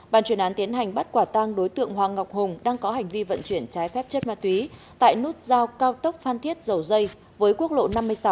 bàn chuyển án tiến hành bắt quả tang đối tượng hoàng ngọc hùng đang có hành vi vận chuyển trái phép chất ma túy tại nút giao cao tốc phan thiết dầu dây với quốc lộ năm mươi sáu